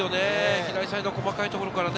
左サイド細かいところから。